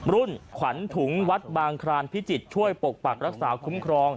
รุ่นขวัญถุงวัดบางครานพิจิตรช่วยปกปักรักษาคุ้มครอง